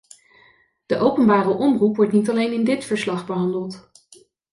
De openbare omroep wordt niet alleen in dit verslag behandeld.